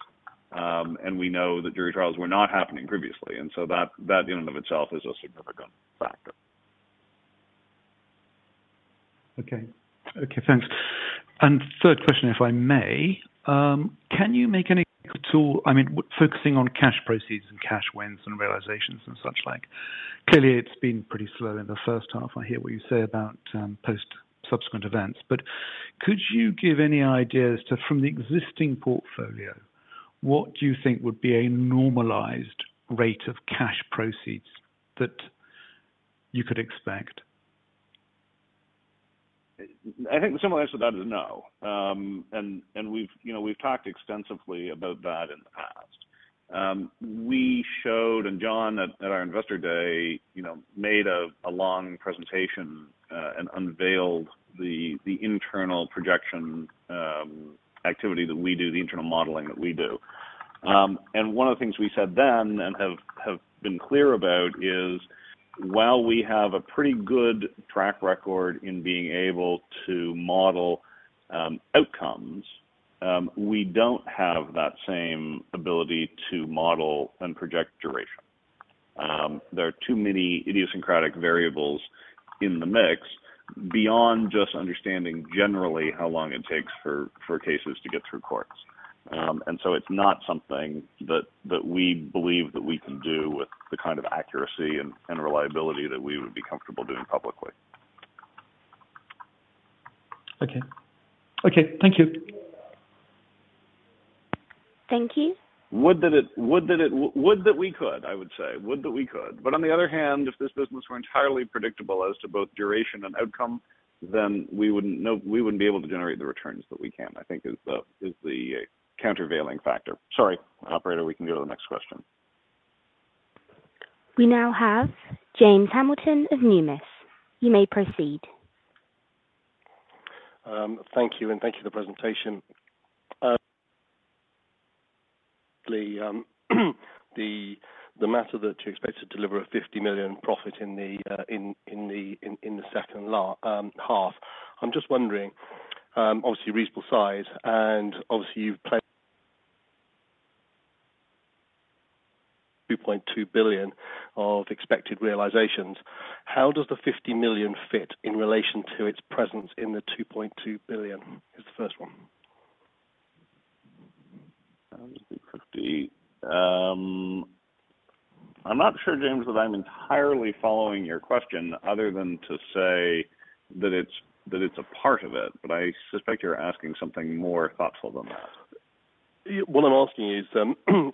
and we know that jury trials were not happening previously. That in and of itself is a significant factor. Okay. Okay, thanks. Third question, if I may. I mean, focusing on cash proceeds and cash wins and realizations and such like. Clearly, it's been pretty slow in the first half. I hear what you say about post subsequent events. Could you give any idea as to from the existing portfolio, what do you think would be a normalized rate of cash proceeds that you could expect? I think the simple answer to that is no. We've, you know, talked extensively about that in the past. We showed, and Jon at our investor day, you know, made a long presentation and unveiled the internal projection activity that we do, the internal modeling that we do. One of the things we said then and have been clear about is while we have a pretty good track record in being able to model outcomes, we don't have that same ability to model and project duration. There are too many idiosyncratic variables in the mix beyond just understanding generally how long it takes for cases to get through courts. It's not something that we believe that we can do with the kind of accuracy and reliability that we would be comfortable doing publicly. Okay. Okay, thank you. Thank you. Would that we could, I would say. Would that we could. On the other hand, if this business were entirely predictable as to both duration and outcome, then we wouldn't be able to generate the returns that we can, I think is the countervailing factor. Sorry. Operator, we can go to the next question. We now have James Hamilton of Numis. You may proceed. Thank you, thank you for the presentation. The matter that you expect to deliver a $50 million profit in the second half. I'm just wondering, obviously reasonable size and obviously you've planned $2.2 billion of expected realizations. How does the $50 million fit in relation to its presence in the $2.2 billion? Is the first one. I'm not sure, James, that I'm entirely following your question other than to say that it's a part of it, but I suspect you're asking something more thoughtful than that. What I'm asking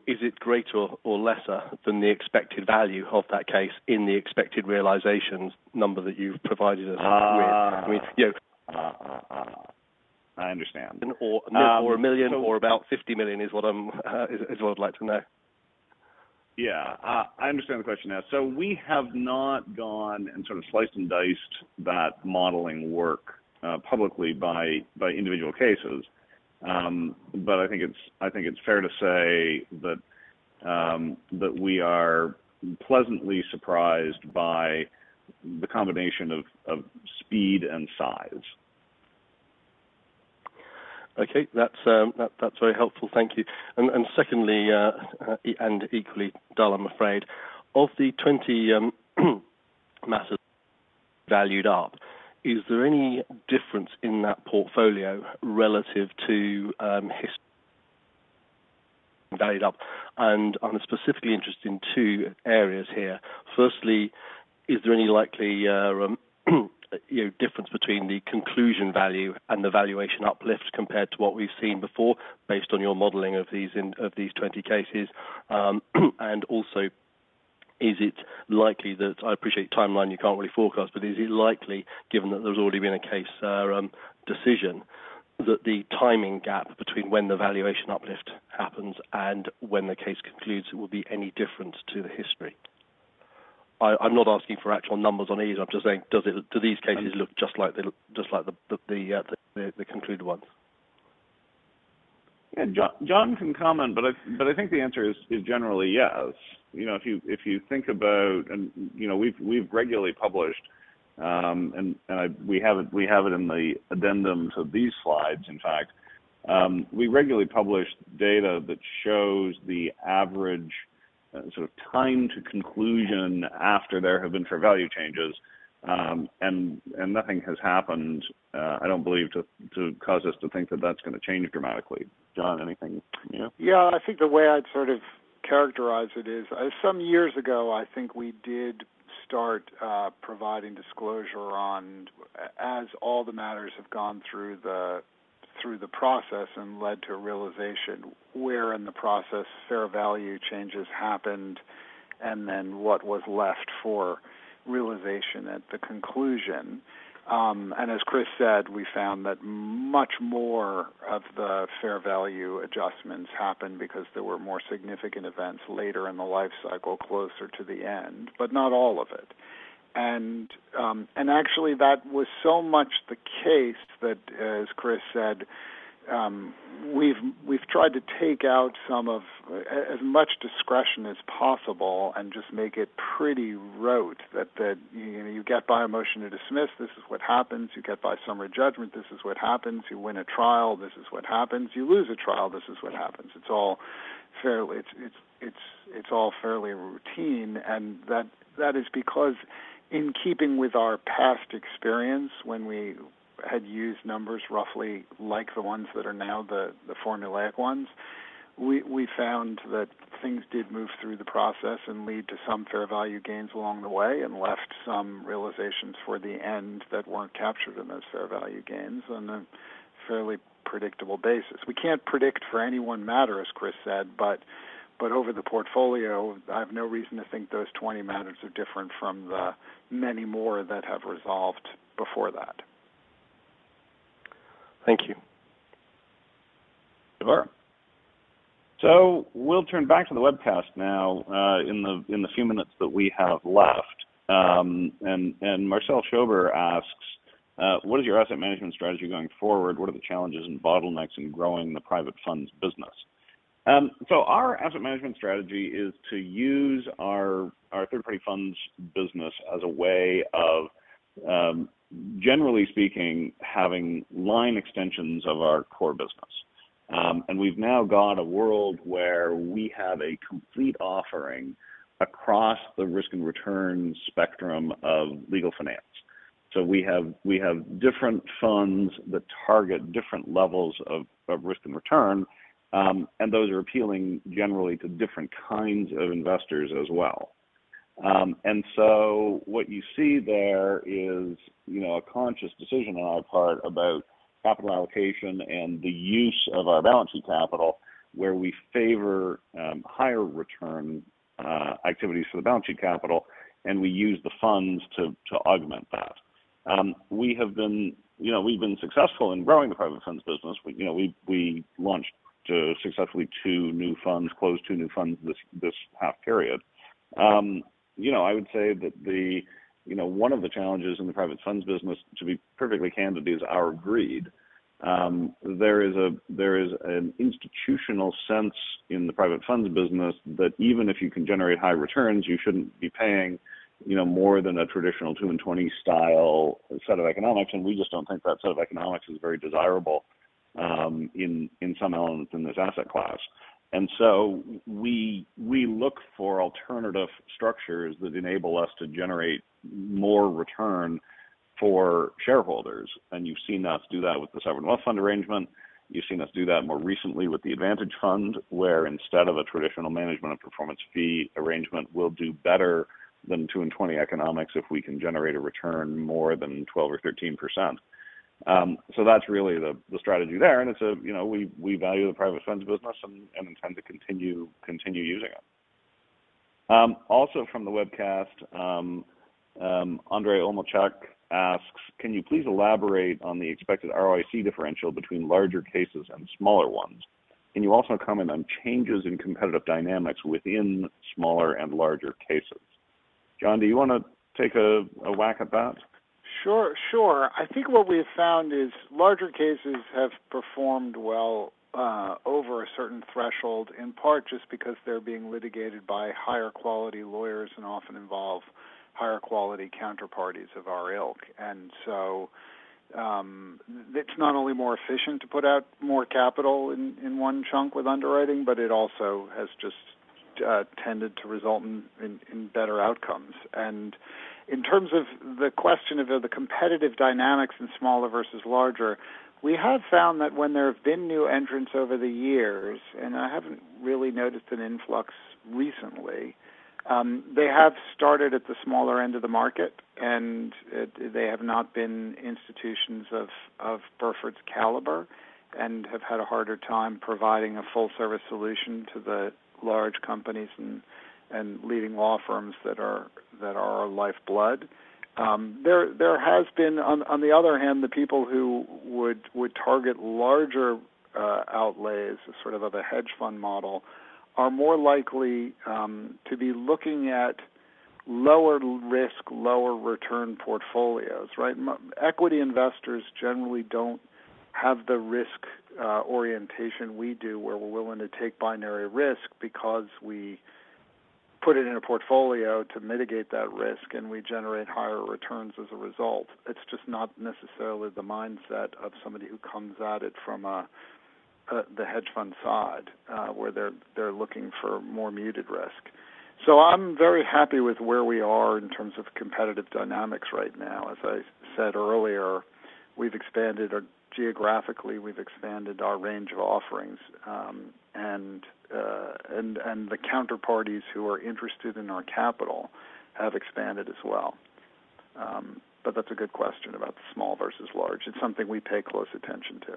is it greater or lesser than the expected value of that case in the expected realizations number that you've provided us with? Ah. I mean, you know. I understand. $1 million or about $50 million is what I'd like to know. Yeah. I understand the question now. We have not gone and sort of sliced and diced that modeling work publicly by individual cases. I think it's fair to say that we are pleasantly surprised by the combination of speed and size. Okay. That's very helpful. Thank you. Secondly, and equally dull, I'm afraid. Of the 20 matters valued up, is there any difference in that portfolio relative to historically valued up? I'm specifically interested in two areas here. Firstly, is there any likely difference between the conclusion value and the valuation uplift compared to what we've seen before based on your modeling of these 20 cases? Also is it likely that I appreciate timeline, you can't really forecast, but is it likely given that there's already been a case decision that the timing gap between when the valuation uplift happens and when the case concludes it will be any different to the history? I'm not asking for actual numbers on these. I'm just saying, do these cases look just like the concluded ones? Yeah. Jon can comment, but I think the answer is generally yes. You know, if you think about. You know, we've regularly published, and we have it in the addendums of these slides, in fact. We regularly publish data that shows the average sort of time to conclusion after there have been fair value changes. Nothing has happened; I don't believe to cause us to think that that's gonna change dramatically. Jon, anything from you? Yeah. I think the way I'd sort of characterize it is some years ago, I think we did start providing disclosure on as all the matters have gone through the process and led to realization where in the process fair value changes happened and then what was left for realization at the conclusion. As Chris said, we found that much more of the fair value adjustments happened because there were more significant events later in the life cycle closer to the end, but not all of it. Actually, that was so much the case that, as Chris said, we've tried to take out some of as much discretion as possible and just make it pretty rote that you know you get by a motion to dismiss, this is what happens. You get by summary judgment, this is what happens. You win a trial, this is what happens. You lose a trial, this is what happens. It's all fairly routine, and that is because in keeping with our past experience when we had used numbers roughly like the ones that are now the formulaic ones. We found that things did move through the process and lead to some fair value gains along the way, and left some realizations for the end that weren't captured in those fair value gains on a fairly predictable basis. We can't predict for any one matter, as Chris said, but over the portfolio, I have no reason to think those 20 matters are different from the many more that have resolved before that. Thank you. Sure. We'll turn back to the webcast now, in the few minutes that we have left. And Marcel Schober asks, "What is your asset management strategy going forward? What are the challenges and bottlenecks in growing the private funds business?" Our asset management strategy is to use our third-party funds business as a way of, generally speaking, having line extensions of our core business. We've now got a world where we have a complete offering across the risk and return spectrum of legal finance. We have different funds that target different levels of risk and return, and those are appealing generally to different kinds of investors as well. What you see there is, you know, a conscious decision on our part about capital allocation and the use of our balance sheet capital, where we favor higher return activities for the balance sheet capital, and we use the funds to augment that. We've been successful in growing the private funds business. We, you know, launched successfully two new funds, closed two new funds this half period. You know, I would say that one of the challenges in the private funds business, to be perfectly candid, is our greed. There is an institutional sense in the private funds business that even if you can generate high returns, you shouldn't be paying, you know, more than a traditional two-and-twenty style set of economics, and we just don't think that set of economics is very desirable, in some elements in this asset class. We look for alternative structures that enable us to generate more return for shareholders. You've seen us do that with the Sovereign Wealth Fund arrangement. You've seen us do that more recently with the Advantage Fund, where instead of a traditional management and performance fee arrangement, we'll do better than two-and-twenty economics if we can generate a return more than 12% or 13%. That's really the strategy there. It's a You know, we value the private funds business and intend to continue using it. Also from the webcast, Andre Olmochak asks, "Can you please elaborate on the expected ROIC differential between larger cases and smaller ones? Can you also comment on changes in competitive dynamics within smaller and larger cases?" Jon, do you wanna take a whack at that? Sure, sure. I think what we have found is larger cases have performed well over a certain threshold, in part just because they're being litigated by higher quality lawyers and often involve higher quality counterparties of our ilk. It's not only more efficient to put out more capital in better outcomes. In terms of the question of the competitive dynamics in smaller versus larger, we have found that when there have been new entrants over the years, and I haven't really noticed an influx recently, they have started at the smaller end of the market, and they have not been institutions of Burford's caliber and have had a harder time providing a full service solution to the large companies and leading law firms that are our lifeblood. On the other hand, the people who would target larger outlays, sort of a hedge fund model, are more likely to be looking at lower risk, lower return portfolios, right? Equity investors generally don't have the risk orientation we do, where we're willing to take binary risk because we put it in a portfolio to mitigate that risk, and we generate higher returns as a result. It's just not necessarily the mindset of somebody who comes at it from the hedge fund side, where they're looking for more muted risk. I'm very happy with where we are in terms of competitive dynamics right now. As I said earlier, geographically, we've expanded our range of offerings, and the counterparties who are interested in our capital have expanded as well. That's a good question about small versus large. It's something we pay close attention to.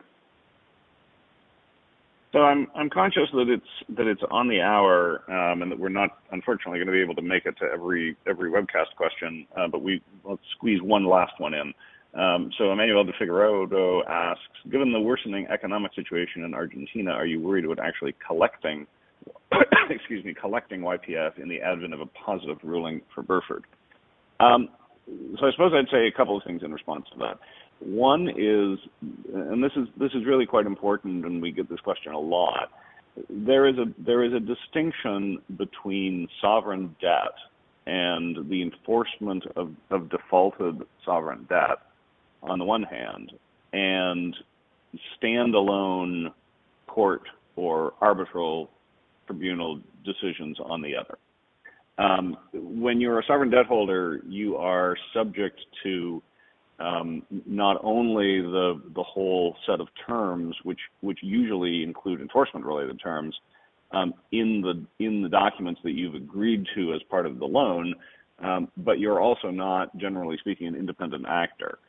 I'm conscious that it's on the hour, and that we're not, unfortunately, gonna be able to make it to every webcast question. But let's squeeze one last one in. Emmanuel de Figueiredo asks, "Given the worsening economic situation in Argentina, are you worried about actually collecting YPF in the event of a positive ruling for Burford?" I suppose I'd say a couple of things in response to that. One is, this is really quite important, and we get this question a lot. There is a distinction between sovereign debt and the enforcement of defaulted sovereign debt on the one hand, and standalone court or arbitral tribunal decisions on the other. When you're a sovereign debt holder, you are subject to not only the whole set of terms, which usually include enforcement-related terms, in the documents that you've agreed to as part of the loan, but you're also not, generally speaking, an independent actor.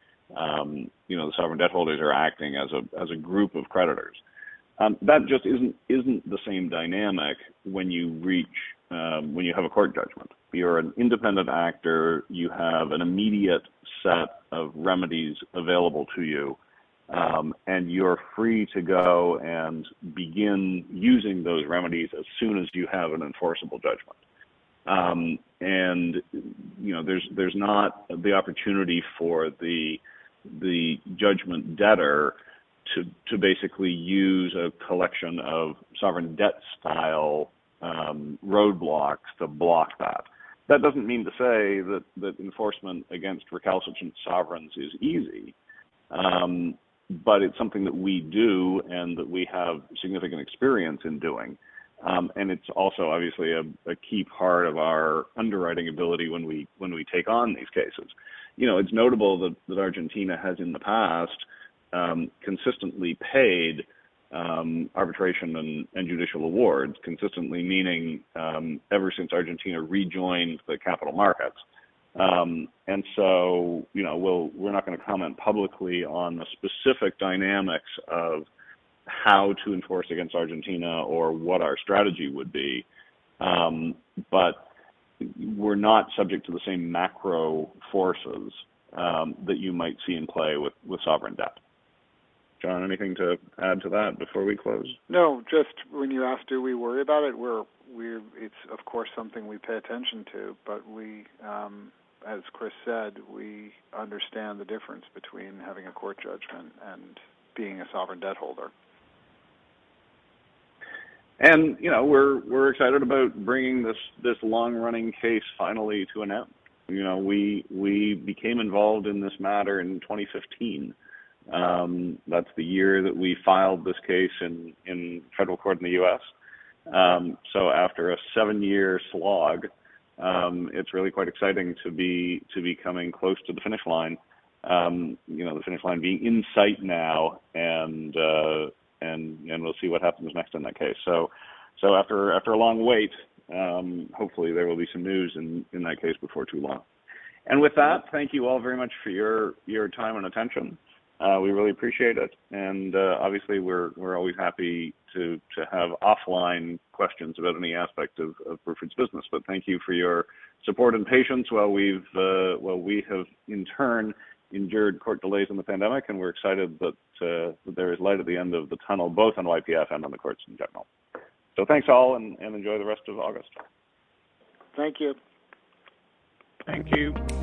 You know, the sovereign debt holders are acting as a group of creditors. That just isn't the same dynamic when you have a court judgment. You're an independent actor, you have an immediate set of remedies available to you, and you're free to go and begin using those remedies as soon as you have an enforceable judgment. You know, there's not the opportunity for the judgment debtor to basically use a collection of sovereign debt-style roadblocks to block that. That doesn't mean to say that the enforcement against recalcitrant sovereigns is easy, but it's something that we do and that we have significant experience in doing. It's also obviously a key part of our underwriting ability when we take on these cases. You know, it's notable that Argentina has in the past consistently paid arbitration and judicial awards. Consistently meaning ever since Argentina rejoined the capital markets. You know, we're not gonna comment publicly on the specific dynamics of how to enforce against Argentina or what our strategy would be, but we're not subject to the same macro forces that you might see in play with sovereign debt. Jon, anything to add to that before we close? No, just when you ask, do we worry about it, we're. It's of course something we pay attention to, but we, as Chris said, we understand the difference between having a court judgment and being a sovereign debt holder. You know, we're excited about bringing this long-running case finally to an end. You know, we became involved in this matter in 2015. That's the year that we filed this case in federal court in the U.S. After a seven-year slog, it's really quite exciting to be coming close to the finish line. You know, the finish line being in sight now and we'll see what happens next in that case. After a long wait, hopefully there will be some news in that case before too long. With that, thank you all very much for your time and attention. We really appreciate it. Obviously, we're always happy to have offline questions about any aspect of Burford's business. But thank you for your support and patience while we have in turn endured court delays in the pandemic, and we're excited that there is light at the end of the tunnel, both on YPF and on the courts in general. Thanks all and enjoy the rest of August. Thank you. Thank you.